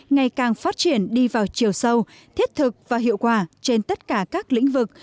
ngày càng phát triển đi vào chiều sâu thiết thực và hiệu quả trên tất cả các lĩnh vực